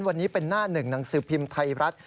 วันนี้เป็นหน้าหนึ่งหนังสือพิมพ์ไทยรัฐ